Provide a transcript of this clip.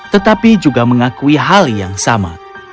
tetapi juga mengakui hal yang sama